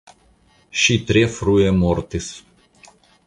Ŝi tre frue mortis.